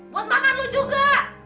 buat makan lu juga